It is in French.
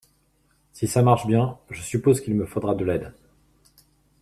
Si ça marche bien, je suppose qu’il me faudra de l’aide.